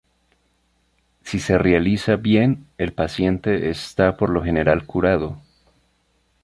Si se realiza bien, el paciente está por lo general curado.